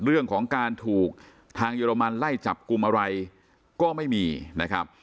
เรื่องของการถูกทางเยอรมันไล่จับกลุ่มอะไรก็ไม่มีนะครับ